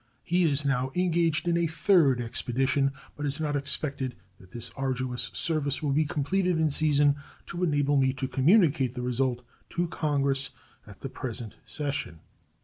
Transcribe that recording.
He is now engaged in a third expedition, but it is not expected that this arduous service will be completed in season to enable me to communicate the result to Congress at the present session.